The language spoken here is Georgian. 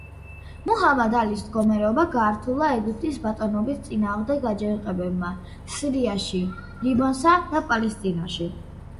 მუჰამად ალის მდგომარეობა გაართულა ეგვიპტის ბატონობის წინააღმდეგ აჯანყებებმა სირიაში, ლიბანსა და პალესტინაში.